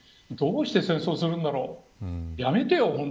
どうして戦争するんだろう。